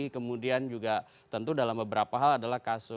kemudian juga tentu dalam beberapa hal adalah kasus